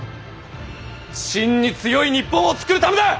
真に強い日本を作るためだ！